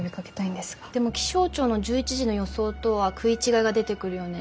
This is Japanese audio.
でも気象庁の１１時の予想とは食い違いが出てくるよね。